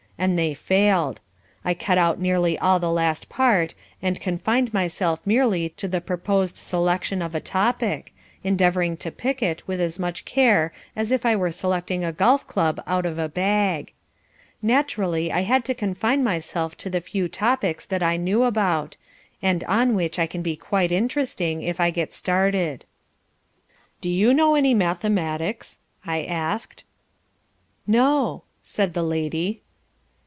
And they failed. I cut out nearly all the last part, and confined myself merely to the proposed selection of a topic, endeavouring to pick it with as much care as if I were selecting a golf club out of a bag. Naturally I had to confine myself to the few topics that I know about, and on which I can be quite interesting if I get started. "Do you know any mathematics?" I asked. "No," said the lady.